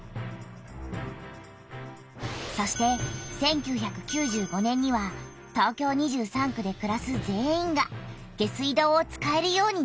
そして１９９５年には東京２３区でくらす全員が下水道を使えるようになった。